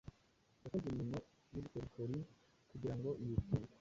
yakoze imirimo y’ubukorikori kugira ngo yitunge.